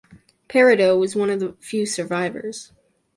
Peredo was one of the few survivors.